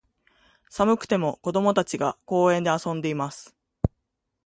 寒くても、子供たちが、公園で遊んでいます。